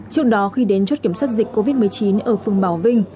trước đó khi đến chốt kiểm soát dịch covid một mươi chín ở phường bảo vinh